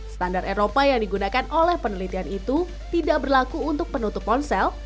standar eropa yang digunakan oleh penelitian itu tidak berlaku untuk penutup ponsel